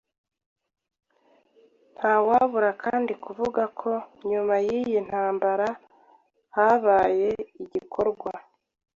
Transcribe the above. Ntawabura kandi kuvuga ko nyuma y’iyi ntambara habaye igikorwa